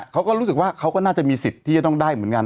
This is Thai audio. เขาก็รู้สึกว่าเขาก็น่าจะมีสิทธิ์ที่จะต้องได้เหมือนกัน